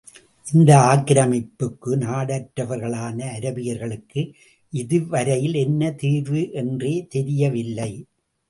இந்த ஆக்கிரமிப்புக்கு நாடற்றவர்களான அராபியர்களுக்கு இதுவரையில் என்ன தீர்வு என்றே தெரியவில்லை.